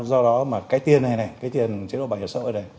do đó mà cái tiền này này cái tiền chế độ bảo hiểm xã hội này